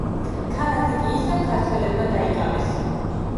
ქალაქი კი ისევ ქართველებმა დაიკავეს.